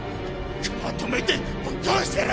まとめてぶっ殺してやる！